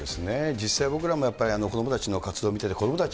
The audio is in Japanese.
実際、僕らも、やっぱり子どもたちの活動を見てて、子どもたち